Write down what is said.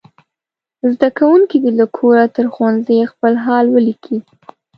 زده کوونکي دې له کوره تر ښوونځي خپل حال ولیکي.